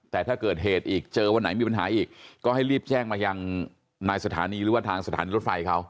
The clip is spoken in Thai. แต่ถ้าเกิดเหตุอีกเจอวันไหนมีปัญหาอีกก็ให้รีบแจ้งมายังนายสถานีหรือว่าทางสถานีรถไฟเขา